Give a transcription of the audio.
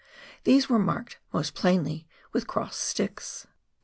These we marked* most plainly with cross sticks.